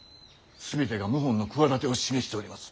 全てが謀反の企てを示しております。